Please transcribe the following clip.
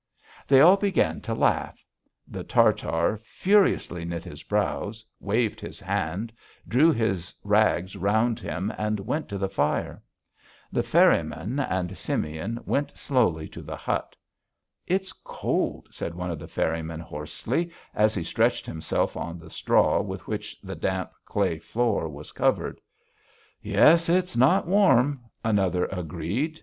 They all began to laugh: the Tartar furiously knit his brows, waved his hand, drew his rags round him and went to the fire. The ferrymen and Simeon went slowly to the hut. "It's cold," said one of the ferrymen hoarsely, as he stretched himself on the straw with which the damp, clay floor was covered. "Yes. It's not warm," another agreed....